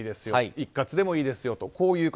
一括でもいいですよという形。